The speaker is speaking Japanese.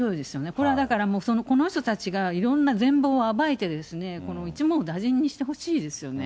これはだから、この人たちがいろんな全貌を暴いて、一網打尽にしてほしいですよね。